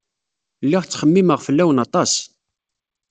Lliɣ ttxemmimeɣ fell-awen aṭas.